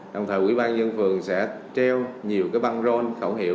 đồng thời ủy ban nhân phường sẽ treo nhiều băng rôn khẩu hiệu